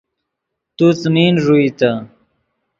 تو څیمین ݱوئیتے